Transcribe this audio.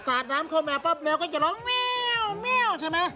สระน้ำเข้ามาแมวก็จะร้องเมียวใช่ไหม